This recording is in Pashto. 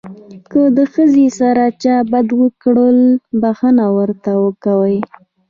که د ښځې سره چا بد وکړل بښنه ورته کوي.